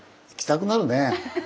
行きたくなるね。